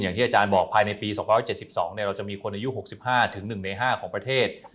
อย่างที่อาจารย์บอกภายในปี๒๗๒เราจะมีคนอายุ๖๕๑ใน๕ของประเทศ